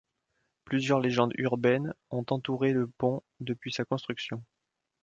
Plusieurs légendes urbaines ont entouré le pont depuis sa construction.